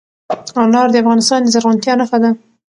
انار د افغانستان د زرغونتیا نښه ده.